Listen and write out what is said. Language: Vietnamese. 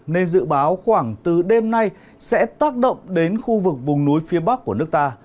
nên dự báo khoảng từ đêm nay sẽ tác động đến khu vực vùng núi phía bắc của nước ta